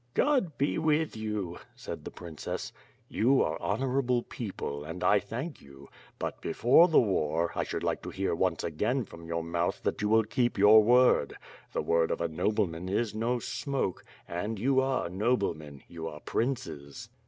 ''God be with you," said the princess. "You are honorable people, and 1 thank you, but, before the war, 1 should like to hear once again from your mouth that you will keep your word, l^e word of a nobleman is no smoke — and you are noblemen, you are princes."